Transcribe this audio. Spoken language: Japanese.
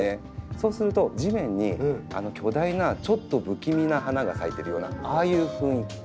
そうすると地面に巨大なちょっと不気味な花が咲いてるようなああいう雰囲気に。